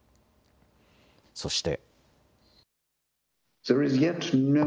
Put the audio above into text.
そして。